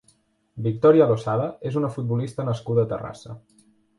Victoria Losada és una futbolista nascuda a Terrassa.